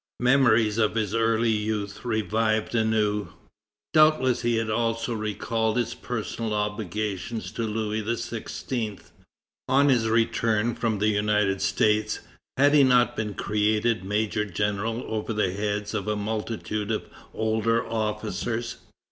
Memories of his early youth revived anew. Doubtless he also recalled his personal obligations to Louis XVI. On his return from the United States, had he not been created major general over the heads of a multitude of older officers?